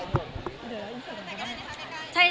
เกมตวิดัก